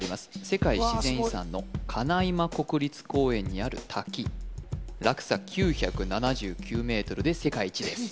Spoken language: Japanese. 世界自然遺産のカナイマ国立公園にある滝落差９７９ｍで世界一です９００？